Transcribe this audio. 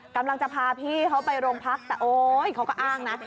กำลังจะพาพี่เขาไปโรงพักแต่โอ๊ยเขาก็อ้างนะ